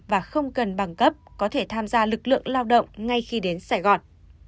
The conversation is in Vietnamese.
và không cần bằng cấp có thể tham gia lực lượng lao động ngay khi đến sài gòn